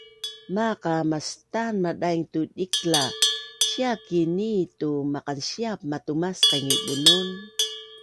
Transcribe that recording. maaq a mastaan madaing tu diklaa sia ki nitu maqansiap matumasqing i bunun